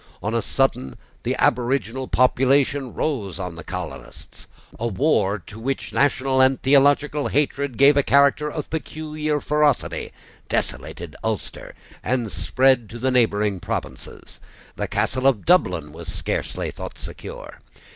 On a sudden, the aboriginal population rose on the colonists. A war, to which national and theological hatred gave a character of peculiar ferocity, desolated Ulster, and spread to the neighbouring provinces. The castle of Dublin was scarcely thought secure.